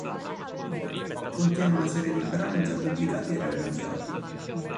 Contiene una serie di brani già pubblicati e riarrangiati.